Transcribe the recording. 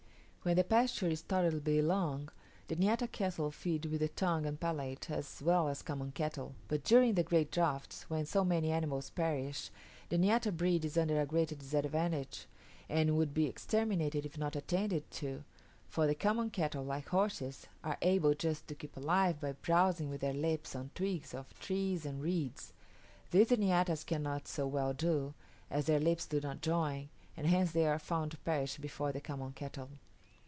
When the pasture is tolerably long, the niata cattle feed with the tongue and palate as well as common cattle; but during the great droughts, when so many animals perish, the niata breed is under a great disadvantage, and would be exterminated if not attended to; for the common cattle, like horses, are able just to keep alive, by browsing with their lips on twigs of trees and reeds; this the niatas cannot so well do, as their lips do not join, and hence they are found to perish before the common cattle.